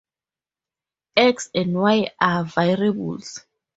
X and Y are variables.